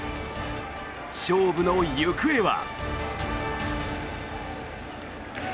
勝負の行方は。